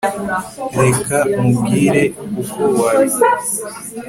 reka nkubwire uko wabikora